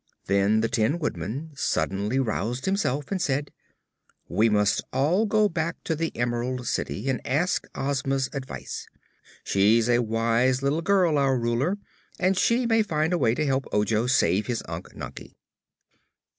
Then the Tin Woodman suddenly roused himself and said: "We must all go back to the Emerald City and ask Ozma's advice. She's a wise little girl, our Ruler, and she may find a way to help Ojo save his Unc Nunkie."